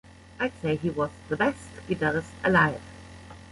I'd say he was the best guitarist alive.